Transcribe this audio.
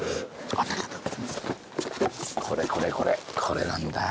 これこれこれこれなんだ。